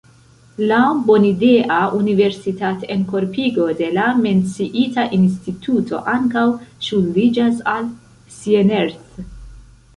La bonidea universitatenkorpigo de la menciita instituto ankaŭ ŝuldiĝas al Sienerth.